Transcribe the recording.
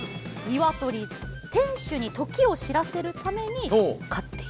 天守に時を知らせるために飼っていた。